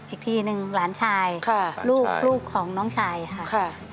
อีกทีหนึ่งหลานชายลูกของน้องชายค่ะ